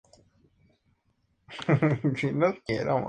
Nació en Marburgo, hijo de un encuadernador.